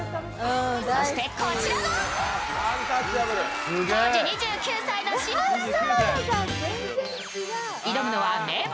そして、こちらが当時２９歳の柴田さん。